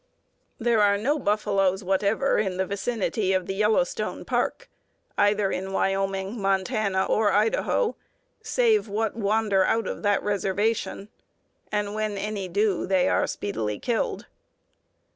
There are no buffaloes whatever in the vicinity of the Yellowstone Park, either in Wyoming, Montana, or Idaho, save what wander out of that reservation, and when any do, they are speedily killed.